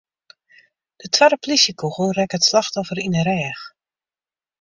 De twadde polysjekûgel rekke it slachtoffer yn 'e rêch.